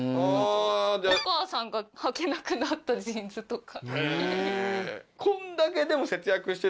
お母さんがはけなくなったジーンズとか。